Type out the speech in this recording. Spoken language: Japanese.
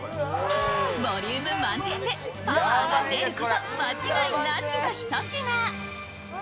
ボリューム満点でパワーが出ること間違いなしのひと品。